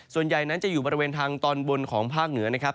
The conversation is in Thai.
ส่วนใหญ่นั้นจะอยู่บริเวณทางตอนบนของภาคเหนือนะครับ